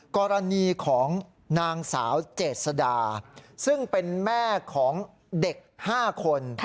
กรณีของนางสาวเจษดาซึ่งเป็นแม่ของเด็ก๕คน